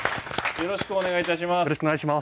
よろしくお願いします。